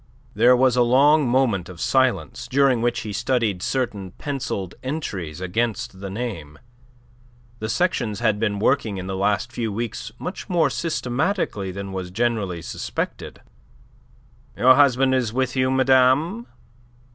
There was a long moment of silence, during which he studied certain pencilled entries against the name. The sections had been working in the last few weeks much more systematically than was generally suspected. "Your husband is with you, madame?"